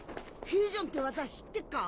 フュージョンって技知ってっか？